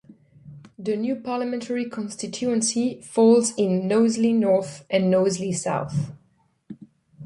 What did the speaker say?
The new parliamentary constituency folds in Knowsley North and Knowsley South.